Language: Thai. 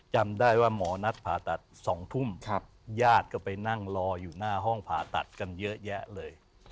จำได้ว่าหมอนัดผ่าตัด๒ทุ่มญาติก็ไปนั่งรออยู่หน้าห้องผ่าตัดกันเยอะแยะเลย